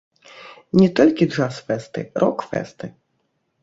Не толькі джаз-фэсты, рок-фэсты!